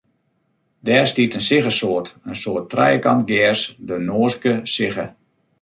Dêr stiet in siggesoart, in soart trijekant gers, de noardske sigge.